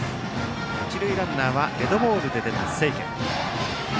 一塁ランナーはデッドボールで出た清家。